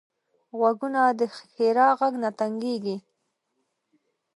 غوږونه د ښیرا غږ نه تنګېږي